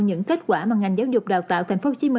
những kết quả mà ngành giáo dục đào tạo tp hcm